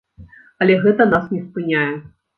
Але гэта нас не спыняе.